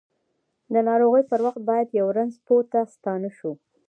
د ناروغۍ پر وخت باید یؤ رنځ پوه ته ستانه شوو!